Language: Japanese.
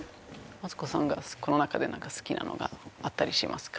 マツコさんがこの中で何か好きなのがあったりしますか？